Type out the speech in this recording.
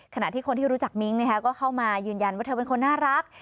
ขณะที่คนที่รู้จักมิ้งก็เข้ามายืนยันว่าเธอเป็นคนน่ารัก